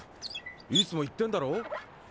いつも行ってんだろ？